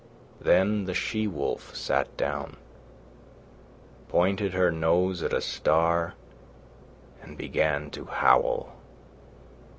Then the she wolf sat down, pointed her nose at a star, and began to howl.